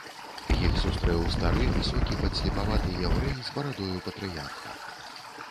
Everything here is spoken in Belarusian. Іх сустрэў стары высокі падслепаваты яўрэй з барадою патрыярха.